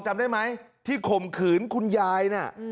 เจอใจไหมที่ข่มขืนเลยคุณยาย